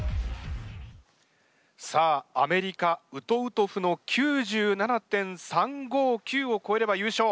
さあアメリカウトウトフの９７．３５９をこえれば優勝。